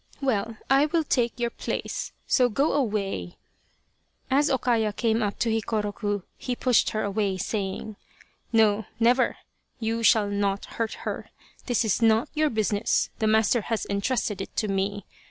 Well I will take your place, so go away !" As O Kaya came up to Hikoroku he pushed her away, saying :" No, never ! You shall not hurt her this is not '54 Urasato, or the Crow of Dawn your business the master has entrusted it to me.